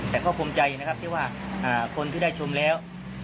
แต่ก็ภูมิใจนะครับที่ว่าคนที่ได้ชมแล้ว